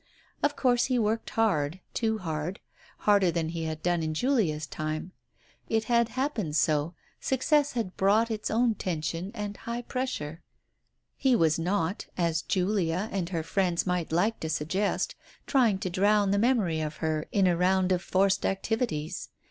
Of course he worked hard, too hard, harder than he had done in Julia's time. It had happened so, success had brought its own tension and high pres sure. He was not, as Julia and her friends might like to suggest, trying to drown the memory of her in a round of forced activities.